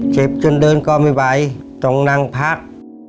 จนเดินก็ไม่ไหวต้องนั่งพัก